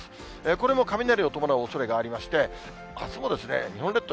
これも雷を伴うおそれがありまして、あすも日本列島